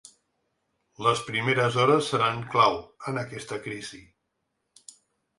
Les primeres hores seran clau, en aquesta crisi.